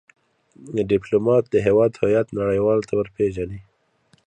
ډيپلومات د هیواد هویت نړېوالو ته ور پېژني.